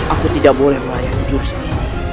aku tidak boleh melayani jurus ini